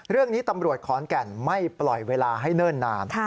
เรื่องนี้ตำรวจขอนแก่นไม่ปล่อยเวลาให้เนิ่นนาน